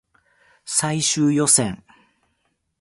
最終予選